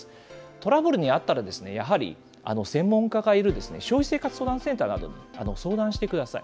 トラブルに遭ったら、やはり専門家がいる消費生活相談センターなどに相談してください。